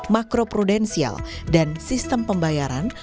makro prudensial dan sistem pembayaran